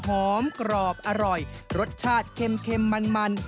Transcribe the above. หอมกรอบอร่อยรสชาติเค็มมัน